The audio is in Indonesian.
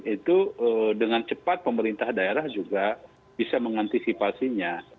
itu dengan cepat pemerintah daerah juga bisa mengantisipasinya